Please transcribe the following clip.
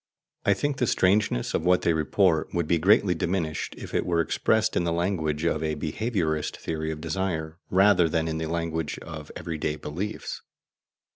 I think the strangeness of what they report would be greatly diminished if it were expressed in the language of a behaviourist theory of desire, rather than in the language of every day beliefs.